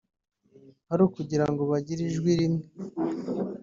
ari ukugira ngo bagire ijwi rimwe